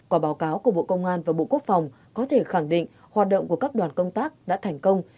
quả báo cáo của bộ công an và bộ quốc phòng có thể khẳng định hoạt động của các đoàn công tác đã thành công